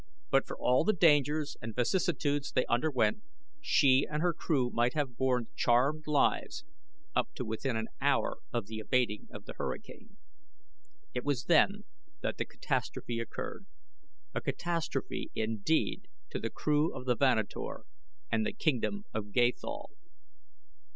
But for all the dangers and vicissitudes they underwent, she and her crew might have borne charmed lives up to within an hour of the abating of the hurricane. It was then that the catastrophe occurred a catastrophe indeed to the crew of the Vanator and the kingdom of Gathol.